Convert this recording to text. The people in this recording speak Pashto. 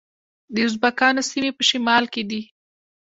د ازبکانو سیمې په شمال کې دي